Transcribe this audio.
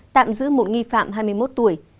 tạm giữ một nghi phạm hai mươi một tuổi